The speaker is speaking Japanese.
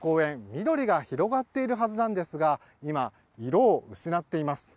緑が広がっているはずなんですが今、色を失っています。